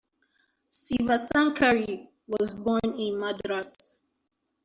Sivasankari was born in Madras.